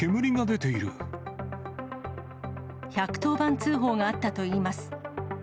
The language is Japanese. １１０番通報があったといいます。